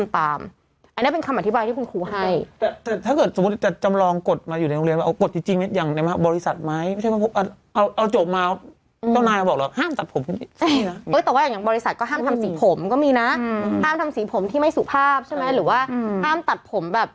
แต่บริษัทอย่างนั้นก็มีนะจะทำสีผมที่ไม่สุภาพ